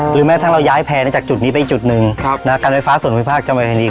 หรือแม้ทั้งเราย้ายแพร่เนี้ยจากจุดนี้ไปอีกจุดหนึ่งครับนะกันไฟฟ้าส่วนไฟฟ้าอาจจะมาแบบนี้